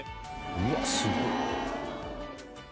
うわっ、すごい！